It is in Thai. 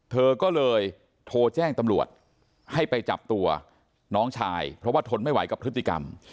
เธอก็เลยโทรแจ้งตำรวจให้ไปจับตัวน้องชายเพราะว่าทนไม่ไหวกับพฤติกรรม